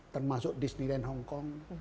termasuk disneyland hongkong